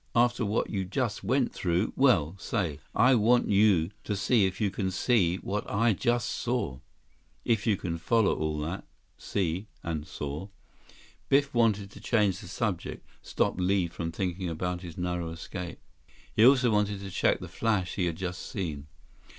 After what you just went through, well—Say, I want you to see if you can see what I just saw—if you can follow all that 'see' and 'saw.'" Biff wanted to change the subject, stop Li from thinking about his narrow escape. He also wanted to check the flash he had just seen.